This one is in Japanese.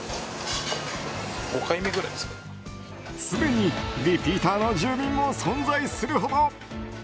すでにリピーターの住民も存在するほど。